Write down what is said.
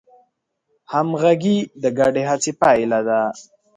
همغږي د ګډې هڅې پایله ده.